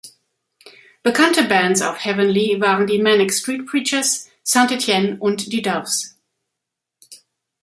Bekannte Bands auf Heavenly waren die Manic Street Preachers, Saint Etienne und die Doves.